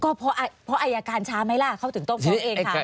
ก็เพราะอายการช้าไหมล่ะเขาถึงต้องฟ้องเองค่ะ